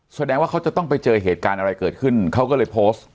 แสดงว่าเขาจะต้องไปเจอเหตุการณ์อะไรเกิดขึ้นเขาก็เลยโพสต์